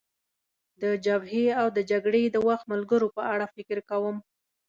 د جبهې او د جګړې د وخت ملګرو په اړه فکر کوم.